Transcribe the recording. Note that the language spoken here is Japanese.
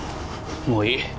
もういい。